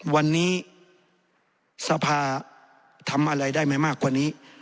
วันนี้สภาทำอะไรได้ไม่มากกว่านี้